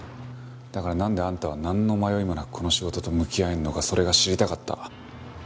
だからなんであんたはなんの迷いもなくこの仕事と向き合えるのかそれが知りたかった。